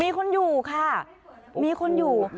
มีคนอยู่ค่ะมีคนอยู่